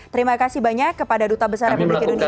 terima kasih banyak kepada duta besar republik indonesia